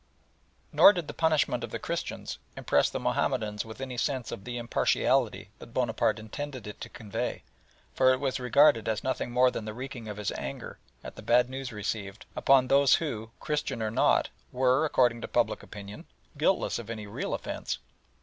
Nor did the punishment of the Christians impress the Mahomedans with any sense of the impartiality that Bonaparte intended it to convey, for it was regarded as nothing more than the wreaking of his anger, at the bad news received, upon those who, Christian or not, were, according to popular opinion, guiltless of any real offence.